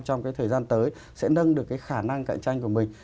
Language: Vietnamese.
trong cái thời gian tới sẽ nâng được cái khả năng cạnh tranh của mình